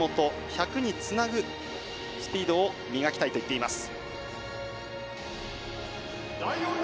１００につなぐスピードを磨きたいと言っています。